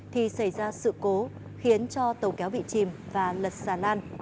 thì xảy ra sự cố khiến cho tàu kéo bị chìm và lật xà lan